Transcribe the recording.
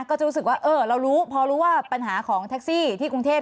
ก็จะรู้สึกว่าเออเรารู้พอรู้ว่าปัญหาของแท็กซี่ที่กรุงเทพ